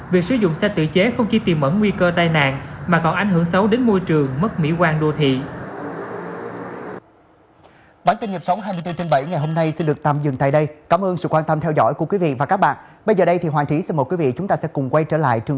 việc sử dụng xe tự chế không chỉ tìm ẩn nguy cơ tai nạn